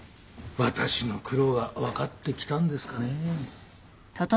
私の苦労が分かってきたんですかねぇ。